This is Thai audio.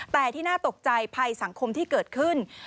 แต่ที่น่าตกใจภัยสังคมที่เกิดขึ้น